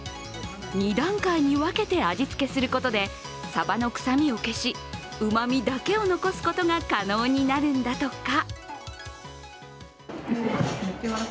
２段階に分けて味付けすることでさばの臭みを消しうまみだけを残すことが可能になるんだとか。